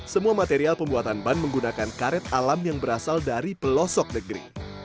semua material pembuatan ban menggunakan karet alam yang berasal dari pelosok negeri